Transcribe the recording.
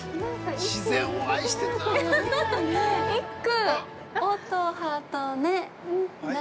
◆一句。